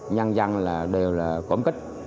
nhân dân đều là cổng kích